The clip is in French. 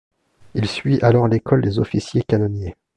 Il suit alors l'école des officiers canonniers.